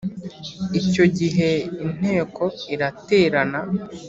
icyo gihe Inteko iraterana